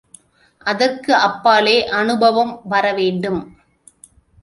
அதற்கு அப்பாலே அநுபவம் வரவேண்டும்.